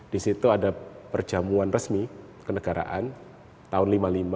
di situ ada perjamuan resmi kenegaraan tahun seribu sembilan ratus lima puluh lima